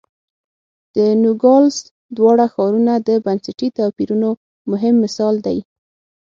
د نوګالس دواړه ښارونه د بنسټي توپیرونو مهم مثال دی.